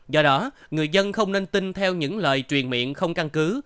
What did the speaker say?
do đó người dân không nên tin theo những lời truyền miệng không căn cứ